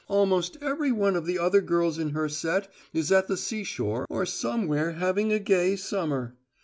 Almost every one of the other girls in her set is at the seashore or somewhere having a gay summer.